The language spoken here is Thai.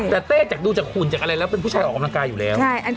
แต่เต้จากดูจากหุ่นเป็นพ่อออกคำนาญกายอยู่แล้ว